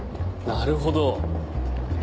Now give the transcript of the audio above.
なるほど。